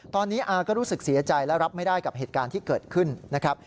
ตอนนี้อาก็รู้สึกเสียใจและรับไม่ได้กับเหตุการณ์ที่เกิดขึ้นนะครับ